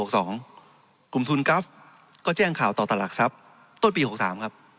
กลุ่มทุนกราฟก็แจ้งข่าวต่อตลาดทรัพย์ต้นปี๖๓ครับ